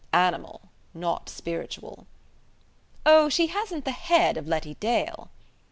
"Animal; not spiritual!" "Oh, she hasn't the head of Letty Dale."